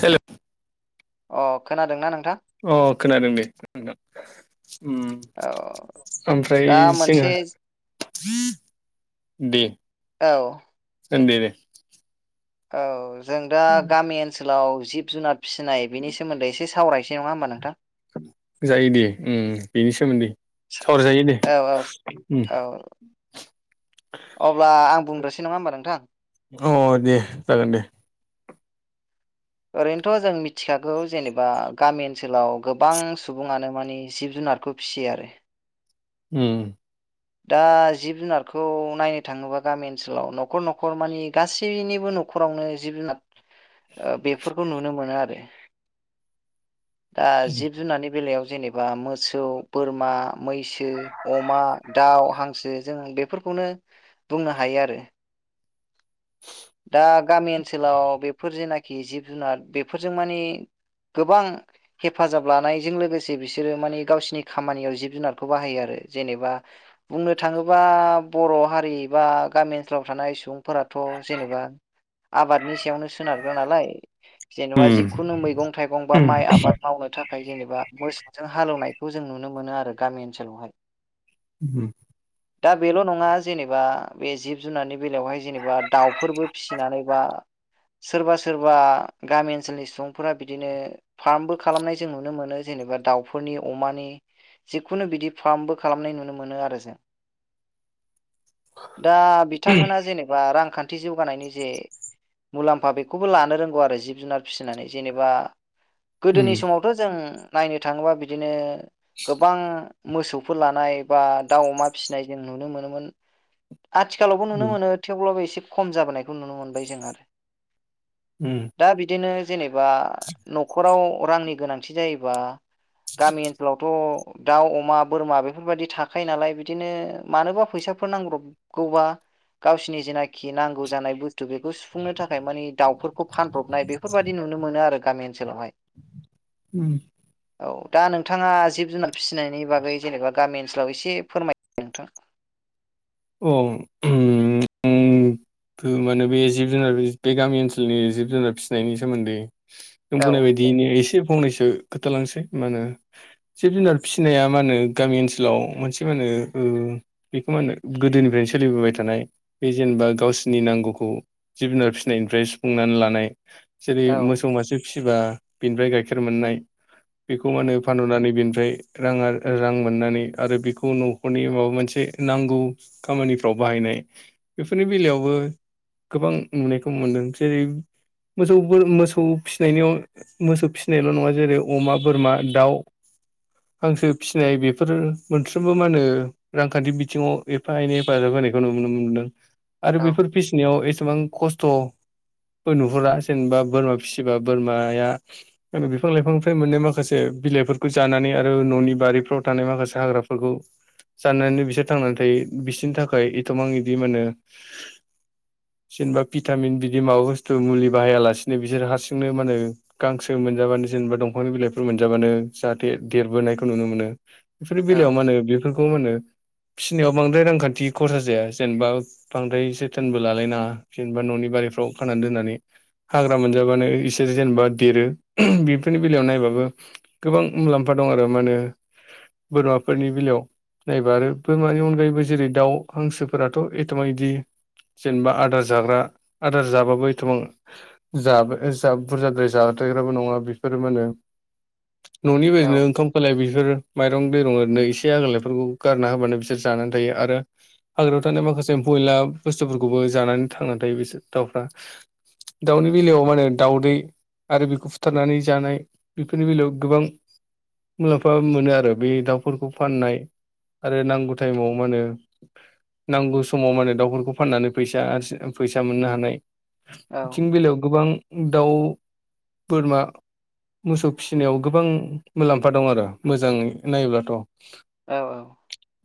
Hello अ खोनादोंना नों अ खोनादों दे नोंथां उम औ ओमफ्राय दा मोनसे जोङो औ दोन्दे दे औ जों दा गामि ओनसोलाव जिब जुनार फिसिनाय बेनिसोमोन्दै एसे सावरायनोसै नङा होमबा नोंथां जायो दे उम बेनि सोमोन्दै सावरायजायो दे औ औ उम औ अब्ला आं बुं दसै नङाहोमबा नोंथां औ दे जागोन दे ओरैनोथ जों मिथिखागौ जेनेबा गामि ओनसोलाव गोबां सुबुङानो मानि जिब जुनार जुनारखौ फिसियो आरो ओम दा जिब जुनारखौ नायनो थाङोबा गामि ओनसोलाव न'खर न'खर मानि गासैनिबो न'खरावनो जिब जुनार बेफोरखौ नुनो मोनो आरो दा उम जिब जुनारनि बेलायाव जेनेबा मोसौ बोरमा मैसो अमा दाउ हांसो जों बेफोरखौ नो बुंनो हायो आरो दा गामि ओनसोलाव बेफोर जेनाखि जिब जुनार बेफोरजों मानि गोबां हेफाजाब लानायजों लोगोसे बिसोरो माने गावसिोरनि खामानियाव जिब जुनारखौ बाहायो आरो जेनेबा बुंनो थाङोबा बर' हारि बा गामि ओनसोलाव थानाय सुबुंफोराथ' जेनेबा आबादनि सायावनो सोनारग्रा नालाय जेनेबा उम जिखुनु मैगं थाइगं बा माइ आबाद मावनो थाखाय ओमफ्राय जेनेबा मोसौजों हालौवनायखौ जों नुनो मोनो आरो गामि ओनसोलावहाय ओम दा बेल' नङा जेनेबा बे जिब जुनारनि बेलायावहाय जेनेबा दाउफोरबो फिसिनानै बा सोरबा सोरबा गामि ओनसोलनि सुबुंफोरा बिदिनो फार्मबो खालामनाय जों नुनो मोनो जेनेबा दावउफोरनि अमानि जिखुनु बिदि फार्मबो खालामनाय नुनो मोनो आरो जों दा बिथांमोना जेनेबा रांखान्थि खाथि जौगानायनि जे मुलाम्फा बेखौबो लानो रोंगौ आरो जिब जुनार फिसिनानै जेनेबा गोदोनि उम समावथ' जों नायनो थाङोबा बिदिनो गोबां मोसौफोर लानाय बा दाउ अमा फिसिनाय जों नुनो मोनोमोन आथिखालावबो नुनो उम मोनो थेवब्लाबो एसे खम जाबोनायखौ नुनो मोनबाय जों आरो उम दा बिदिनो जेनेबा न'खराव रांनि गोनांथि जायोबा गामि ओनसोलावथ' दाउ अमा बोरमा बेफोरबायदि थाखायो नालाय बिदिनो मानोबा फैसा फोर नांब्रबगौबा गावसिनि जेना खि नांगौ जानाय बुस्थु बेखौ सुफुंनो थाखाय मानि दाउफोरखौ फानब्रबनाय बेफोरबायदि नुनो मोनो आरो गामि ओनसोलावहाय ओम औ दा नोंथाङा जिब जुनार फिसिनायनि बागै जेनेबा गामि ओनसोलाव एसे फोरमाय नोंथां अ ओम ओम माने बे जिब जुनार बे गामि ओनसोलनि जिब जुनार फिसिनायनि सोमोन्दै नों औ बुंनायबायदिनि एसे फंनैसो खोथालांसै मा होनो जिब जुनार फिसिनाया मा होनो गामि ओनसोलाव मोनसे मा होनो औ बेखौ मानो गोदोनिफ्रायनो सोलिबोबाय थानाय बे जेनेबा गावसिनि नांगौखौ जिब जुनार फिसिनायनिफ्राय सुफुंना लानाय जेरै औ मोसौ मासे फिसिबा बेनिफ्राय गाइखेर मोननाय बेखौ मा औ होनो फानहनानै बेनि ओमफ्राय राङा रां मोननानै आरो बेखौ न'खरनि माबा मोनसे नांगौ खामानिफ्राव बाहायनाय बेफोरनि बेलायावबो गोबां नुनायखौ मोनदों जेरै मोसौ मोसौ फिसिनायनियाव मोसौ फिसिनायल' नङा जेरै अमा बोरमा दाउ हांसो फिसिनाय बेफोर मोनफ्रोमबो मा होनो रांखान्थि बिथिङाव एफा एनै हेफाजाब होनायखौ नुनो मोनदों आरो बेफोर फिसिनायाव एसेबां खस्थ' नुहरा जेनेबा बोरमा फिसिबा बोरमाया बिफां लाइफांनिफ्राय मोननाय माखासे बिलाइफोरखौ जानानै आरो न'नि बारिफ्राव थानाय माखासे हाग्राफोरखौ जानानै बिसोर थांनानै थायो बिसिनि थाखाय एथमां बिदि माने जेनेबा भिटामिन बिदि माबा बुस्थु मुलि बाहायालासिनो बिसोरो हारसिंनो मा होनो गांसो मोनजाबानो जेनेबा दंफांनि बिलाइफोर मोनजाबानो जाहाथे देरबोनायखौ नुनो मोनो बेफोरनि औ बेलायाव मा होने बेफोरखौ मा होनो फिसिनायाव बांद्राय रांखान्थि खरसा जाया जेनेबा बांद्राय जोथोनबो लालायनाङा जेनेबा ननि बारिफोर खानानै दोननानै हाग्रा मोनजाबानो इसोर जेनेबा देरो बेफोरनि बेलायाव नायबाबो गोबां मुलाम्फा दं आरो मा होनो बोरमाफोरनि बेलायाव नायबा आरो बोरमानि अनगायैबो जेरै दाउ हांसोफोराथ एथमा बिदि जेनेबा आदार जाग्रा आदार जाबाबो एथबां जाब बुरजाद्राय जा थायग्राबो नङा बेफोरो मा होनो [inaudible] ननि औ बायदिनो ओंखाम फोलाय बेफोर माइरं दैरं ओरैनो इसे आगलानायफोरखौ गारना होबानो बिसोर जानानै थायो आरो हाग्रायाव थानाय माखासे एम्फयला बुस्थुफोरखौबो जानानै थांनानै थायो बिसोर दाउनि बेलायाव माने दाउदै आरो बेखौ फुथारनानै जानाय बेफोरनि बेलायाव गोबां मुलाम्फा मोनो आरो बे दाउफोरखौ फाननाय आरो नांगौ टाइमाव मा होनो नांगौ समाव माने दाउफोरखौ फाननानै फैसा फैसा मोननो हानाय औ बिथिं बेलायाव गोबां दाउ बोरमा मोसौ फिसिनायाव गोबां मुलाम्फा दं आरो मोजाङै नायोब्लाथ' औ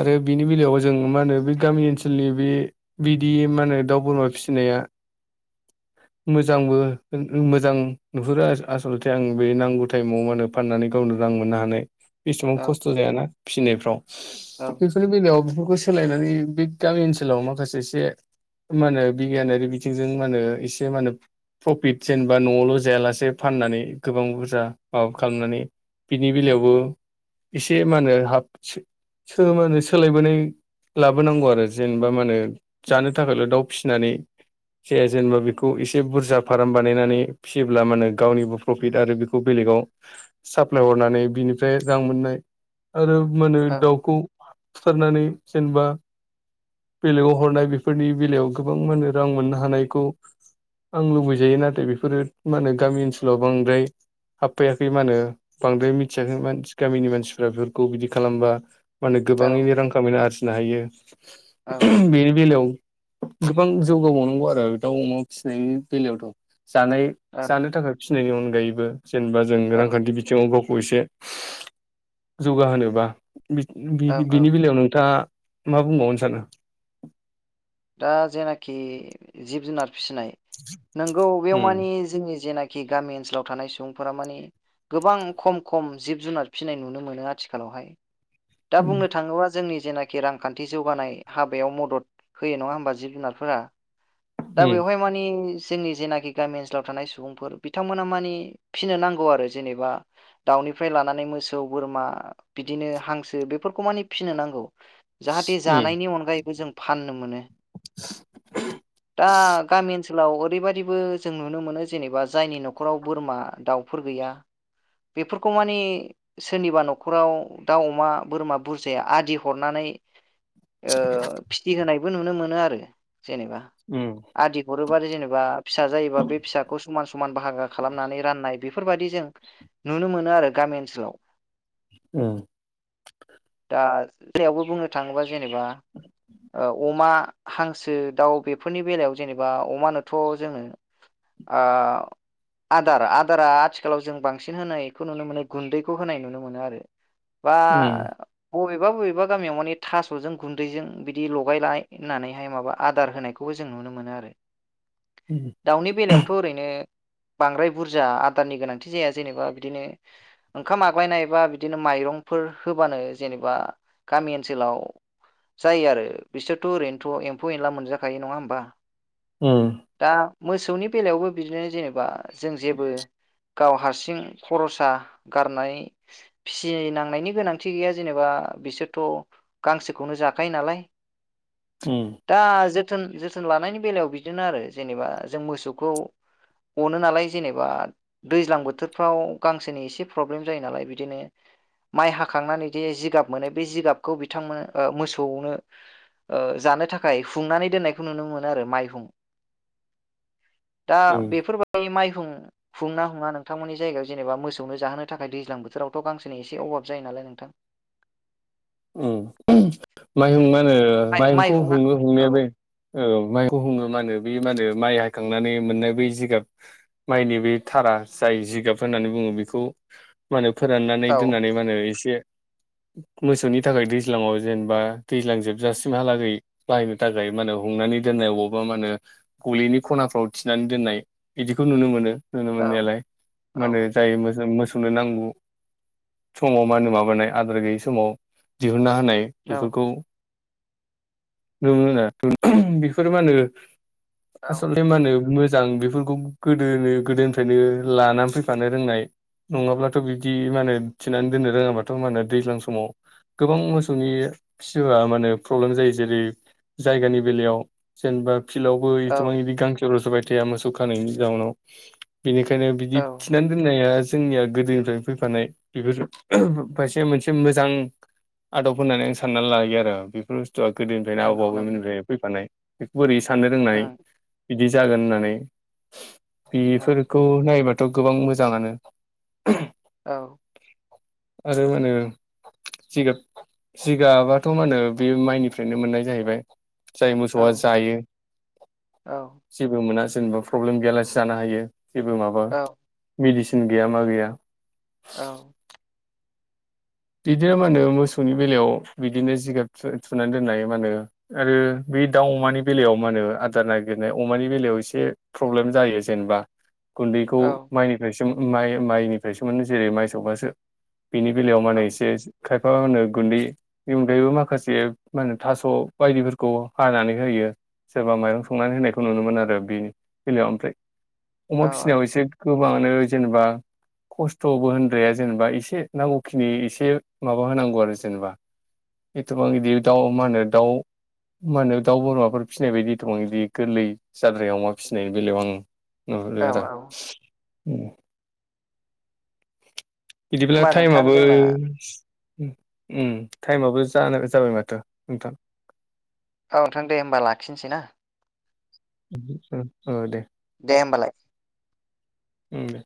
आरो बिनि बेलायाव जों मा होनो बे गामि ओनसोलनि बे बिदि मा होनो दाउ बोरमा फिसिनाया [inaudible] मोजांबो मोजां नुहुरो आसलथे आं बे नांगौ टाइमाव मा होन फाननानै गावनो रां मोननो हानाय बे समाव औ खस्थ' जायाना फिसिनायफ्राव गायाव बेफोरखौ सोलायनानै बे गामि ओनसोलाव माखासे एसे मा होनो बिगियानारि बिथिंजों मा होनो एसे मा होनो प्रफिट जेनेबा नआवल जायालासे फाननानै गोबां बुरजा माबा खालामनानै बिनि बेलायावबो एसे मा होनो हा होनो सोज मोनो सोलायबोनाय लाबोनांगौ आरो जेनेबा मा होनो जानो थाखायल दाउ फिसिनानै जाया जेनेबा बेखौ एसे बुरजा फार्म बानायनानै फिसियोब्ला मानो गावनिबो प्रफिट आरो बेखौ बेलेग बेखौ साप्लाय हरनानै बिनिफ्राय रां मोननाय आरो मानो औ दाउखौ सारनानै जेनेबा बेलेगाव हरनाय बेफोरनि बेलायाव गोबां मो रां मोननो हानायखौ आं लुबैजायो नाथाय बेफोरो मा होनो गामि ओनसोलाव बांद्राय हाबफाययाखै मा होनो बांद्राय मिथियाखै गामिनि मानसिफ्रा बेफोरखौ बिदि खालामबा माने गोबाङैनो रां खामायनो आरजिनो हायो बेनि बेलायाव गोबां जौगाबावनांगौ आरो दाउ अमा फिसिनायनि बेलायावथ' जानाय औ जानो थाखाय फिसिनायनि अनगायैबो जेनेबा जों रांखान्थि बिथिङाव बाव बसे जौगाहोनोबा औ औ बिनि बेलायाव नोंथाङा मा बुंबावनो सानो। दा जेनाखि जिब-जुनार फिसिनाय नोंगौ बेयाव उम मानि जोंनि जेनाखि खि गामि ओनसोलाव थानाय सुबुंफोरा मानि गोबां खम खम जिब जुनार फिसिनाय नुनो मोनो आथिखालावहाय। दा उम बुंनो थाङोबा जोंनि जेनाखि रांखान्थि जौगानाय हाबायाव मदद होयो नङा होमबा जिब जुनारफोरा दा बेवहाय मानि जोंनि जेनाखि गामि ओनसोलाव थानाय सुबुंफोर बिथांमोना मानि फिसिनो नांगौ आरो जेनेबा दउ न'निफ्राय लानानै मोसौ बोरमा बिदिनो हांसो बेफोरखौ मानिे फिसिनो नांगौ। जाहाथे उम जानायनि अनगायैबो जों फाननो मोनो। दा गामि ओनसोलाव ओरैबायदिबो जों नुनो मोनो जेनेबा जायनि न'खराव बोरमा दाउफोर गैया। बेफोरखौ मानि सोरनिबा नखराव दाउ अमा बोरमा बुरजाया आदि हरनानै ओ फि होनायबो नुनो मोन आरो जेबा उम आदि हर बा जेनेबा फिसा जायोबा बे फिसाखौ समान समान बाहागो खालामनानै राननाय बेफोरबायदि जों नुनो मोनो आरो गामि ओनसोलाव। उम जानायावबो बुंनो थाङोबा जेनेबा ओ अमा हांसो दाउ बेफोरनि बेलायाव जेनेबा अमानोथ' जोङो। आ आदार आदारा आथिखालाव जों बांसिन होनायखौ नुनो मोनो गुन्दैखौ होनाय नुनो मोनो आरो। बा उम बबेबा बबेबा गामियाव मानि थास'जों गुन्दैजों बिदि लगायलायनानैहाय माबा आदार होनायखौबो जों नुनो मोनो आरो उम दाउनि बेलायावथ'ओरैनो बांद्राय बुरजा आदारनि गोनांथि जाया जेनेबा बिदिनो ओंखाम आग्लायनायबा बिदिनो माइ माइरंफोर होबानो जेनेबा गामि ओनसोलाव जायो आरो बिसोरथ'ओरैनोथ' एम्फौ एनला मोनजाखायो नङा होमबा? उम दा मोसौनि बेलायावबो बिदिनो जेनेबा जों जेबो गाव हारसिं खरसा गारनाय फिसिनांनायनि गोनांथि गैया। जेनेबा बिसोरथ' गांसोखौनो जाखायो नालाय उम दा जे जो जोथोन लानायनि बेलायाव बिदिनो आरो जेनेबा जों मोसौखौ अनो नालाय जेनेबा दैज्लां बोथोर फोराव गांसोनि प्रेब्लेम जायो नालाय बिदिनो माइ हाखांनानै दि जिगाब मोनो बे जिगाबखौ बिथांनो मोसौनो ओ जानो थाखाय हुंनानै दोननायखौ नुनो मोनो आरो माइहुं। दा उम बेफोरबायदि माइहुं हुङोना हुङा नोंथांमोननि जायगायाव जेनबा मोसौनो जाहोनो थाखाय दैज्लां बोथोरावथ' गांसेनि एसे अभाब जायो नालाय नोंथां। ओम माइहुं मा होनो माइ माइहुंखौ माइहुङा हुङो हुंनाया औ बे ओ माइहुंखौ हुङो माहोनो बे मा होनो माइ हाखांनानै मोननाय बै जिगाब माइनि बे थारा जाय जिगाब होननानै बुङो बेखौ। मा होनो फोराननानै औ दोननानै मा होनो एसे मोसौनि थाखाय दैज्लाांयाव जेनेबा दैज्लां जोबजासिमहालागै बाहायनो थाखाय माहोनो हुंनानै दोननाय अबावबा मा होनो गलिनि खनाफ्राव थिनानै दोननाय बिदिखौ नुनो मोनो। नुनो औ मोननायालाय माहोनो औ जाय मो मोसौ [unintelligible] नांगौ समाव मा होनो माबानाय आदार गैयि समाव हुनना होनाय औ बेफोरखौ [unintelligible] बिफोर मा होनो औ आसलथे मा होनो मो जां बिफोरखौ गोदोनो गोदोनिफ्रायनो लानानै फैफानो रोंनाय नङाब्लाथ' बिब्दि मा होनो थिनानै दोननो रोङाबाथ' मा होनो दैज्लां समाव गोबां मोसौनि फिबा मा होनो प्रब्लेम जायो जेरै जायगानि बेलायाव जेनबा फिलडआवबो औ एथ'बां बिदि गांसो रज'बाय थाया मोसौ खानायनि जाउनाव बेनिखायनो बिदि औ थिनानै दोननाया जोंनिया गोदोनिफ्रायनो फैफानाय बेफोर खायसे मोनसे मोजां आदब होननानै आं साननानै लायो आरो बेफोर बुस्थुआ गोदोनिफ्रायनो आबौ नंगौ नंगौ आबैमोननिफ्रायनो फैफानाय। बेखौ बोरै साननो रोंनाय उम बिदि जागोन होननानै औ बिफोरखौ नायोबाथ' गोबां मोजाङानो। औ आरो मा होनो जिगाब जिगाबाथ' मा होनो बे माइनिफ्रायनो मोननाय जाहैबाय। जाय औ मोसौआ जायो औ जेबो मोना जेनेबा प्रब्लेम गैयालासे जानो हायो जेबो माबा औ मेडिसिन गैया मा गैया। औ बिदिनो मा होनो मोसौनि बेलायाव बिदिनो जिगाब थुवा-थुनानै दोननाय मा होनो आरो बे दाउ अमानि बेलायाव मा होनो आदार नागिरनाय अमानि बेलायाव एसे प्रब्लेम जायो जेनबा गुन्दैखौ औ माइनिफ्रायसो माइ माइनिफ्रायसो मोनो जेरै माइ सौबासो बेनि बेलायाव औ माने एसे खायफा होनो गुन्दैनि अगायैबो माखासे मा होनो थास' बायदिफोरखौ हानानै होयो सोरबा माइरं संनानै होनायखौ नुनो मोन आरो बेनि बेलायाव ओमफ्राय औ अमा फिनायाव एसे गोबांङानो जेनेबा खस्थ'बो होनद्राया जेनेबा एसे नांगौखिनि एसे [unintelligible] माबा होनांगौ आरो जेनेबा एथ'बां इदि दाउ मा होनो दाउ मा होनो दाउ बोरमाफोर फिसिनाय बायदिथ' आं इदि गोरलै जाद्राय अमा फिसिनायनि बेलायाव आं औ नुहुरो आरो औ उम। बिदिब्ला होमबा नोंथां टाइमाबो जोंना उम टाइमाबो जानो जाबाय माथो नोंथां। औ नोंथां दे होमबा लाखिनोसै ना? ओ ओ दे। दे होमबालाय। उम दे।